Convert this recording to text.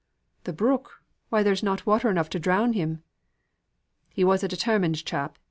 "Th' brook! why there's not water enough to drown him!" "He was a determined chap.